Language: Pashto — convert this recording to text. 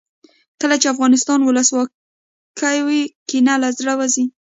کله چې افغانستان کې ولسواکي وي کینه له زړه وځي.